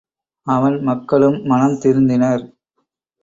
அவன் மக்களும் மனம் திருந்தினர்.